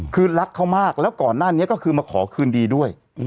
คือรักเขามากแล้วก่อนหน้านี้ก็คือมาขอคืนดีด้วย